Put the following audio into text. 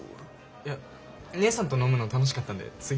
いやねえさんと飲むの楽しかったんでつい。